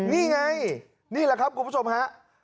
นี่ไงนี่แหละครับคุณผู้ชมฮะ